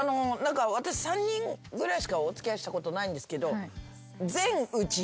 私３人ぐらいしかお付き合いしたことないんですけど。